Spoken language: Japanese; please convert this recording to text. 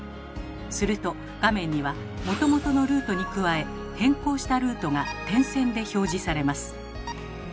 すると画面にはもともとのルートに加え変更したルートが点線で表示されます。